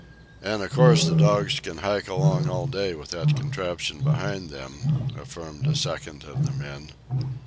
"An' of course the dogs can hike along all day with that contraption behind them," affirmed a second of the men.